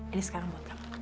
ini sekarang buat kamu